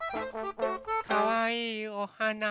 かわいいおはな。